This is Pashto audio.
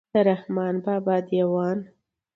د رحمان بابا دېوان.